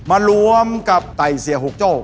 มารวมกับไต่เสียหุกโจ้